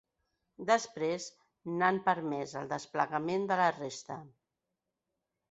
Després n’han permès el desplegament de la resta.